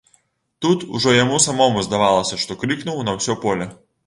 Тут ужо яму самому здавалася, што крыкнуў на ўсё поле.